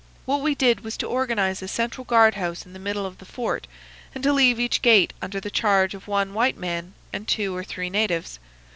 What we did was to organise a central guard house in the middle of the fort, and to leave each gate under the charge of one white man and two or three natives.